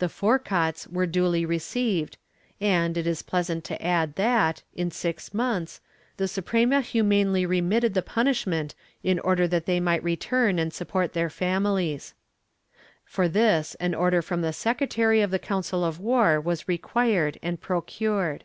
The forgats were duly received and, it is pleasant to add that, in six months, the Suprema humanely remitted the punishment in order that they might return and support their families. For this an order from the secretary of the Council of War was required and procured.'